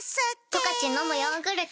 「十勝のむヨーグルト」